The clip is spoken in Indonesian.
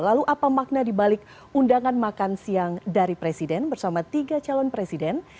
lalu apa makna dibalik undangan makan siang dari presiden bersama tiga calon presiden